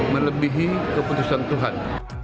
melebihi keputusan tuhan